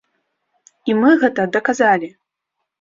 І мы гэта даказалі!